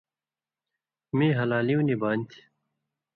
مِیں ہلالیُوں نی بانیۡ تھی